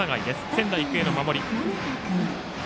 仙台育英の守り。